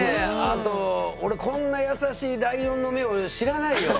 あと俺こんな優しいライオンの目を知らないよ。